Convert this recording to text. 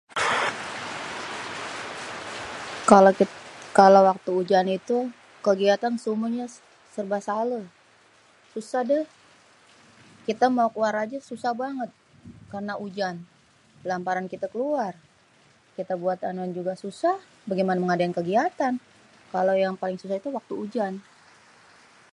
Kalo waktu ujan itu, kegiatan semuanya serba salêh, susah dêh. Kita mau keluar aja susah banget karna ujan. Lah ntaran kita keluar. Kita buat anuan juga susah, begimana mau ngadain kegiatan. Kalo yang paling susah tu waktu ujan.